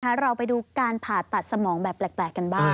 เราไปดูการผ่าตัดสมองแบบแปลกกันบ้าง